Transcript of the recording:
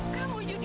kamu jadi lagi